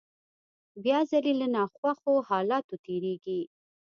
بيا ځلې له ناخوښو حالاتو تېرېږي.